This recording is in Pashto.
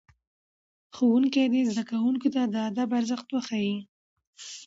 ښوونکي دي زدهکوونکو ته د ادب ارزښت وښيي.